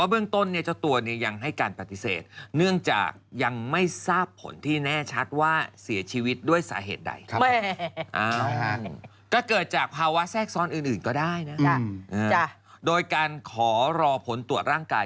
เปะจนตกซาเล้งลงมาเลยไปเกี่ยวเขาด้วยนะ